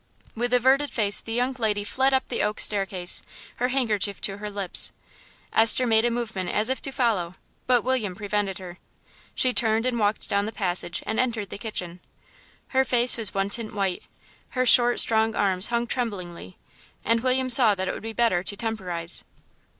With averted face the young lady fled up the oak staircase, her handkerchief to her lips. Esther made a movement as if to follow, but William prevented her. She turned and walked down the passage and entered the kitchen. Her face was one white tint, her short, strong arms hung tremblingly, and William saw that it would be better to temporise.